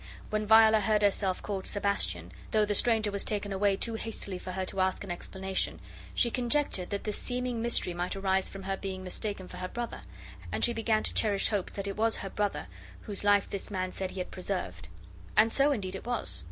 When Viola heard herself called Sebastian, though the stranger was taken away too hastily for her to ask an explanation, she conjectured that this seeming mystery might arise from her being mistaken for her brother, and she began to cherish hopes that it was her brother whose life this man said he had preserved. And so indeed it was.